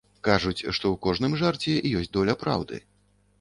Кажуць, што ў кожным жарце ёсць доля праўды.